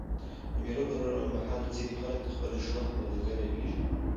د مېلو پر مهال ځيني خلک د خپل ژوند ملګری پېژني.